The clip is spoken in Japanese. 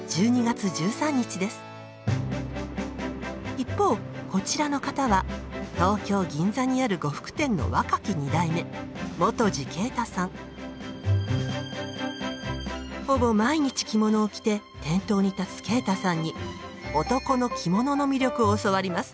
一方こちらの方は東京・銀座にある呉服店の若き二代目ほぼ毎日着物を着て店頭に立つ啓太さんに「男の着物」の魅力を教わります。